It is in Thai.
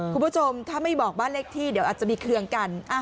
คุณผู้ชมถ้าไม่บอกบ้านเลขที่เดี๋ยวอาจจะมีเครื่องกัน